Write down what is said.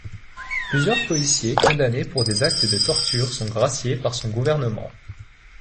Plusieurs policiers condamnés pour des actes de torture sont graciés par son gouvernement.